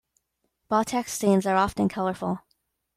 Bottex scenes are often colorful.